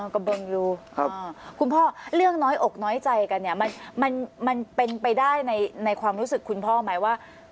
ก็เบิงอยู่คุณพ่อเรื่องน้อยอกน้อยใจกันเนี่ยมันเป็นไปได้ในความรู้สึกคุณพ่อไหมว่า